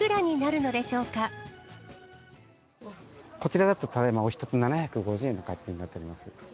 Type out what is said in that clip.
こちらだと、ただいまお１つ７５０円の買い取りになっております。